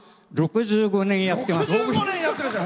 ６５年やってます。